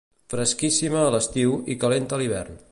Fresquíssima a l'estiu i calenta a l'hivern.